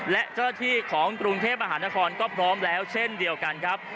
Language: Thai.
และเจอที่ของกรุงเทพกรณฐคอนก็พร้อมแล้วเช่นเดียวกันครับ